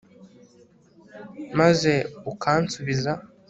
maze ukansubiza